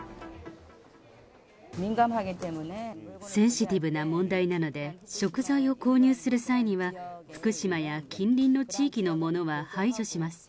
センシティブな問題なので、食材を購入する際には、福島や近隣の地域のものは排除します。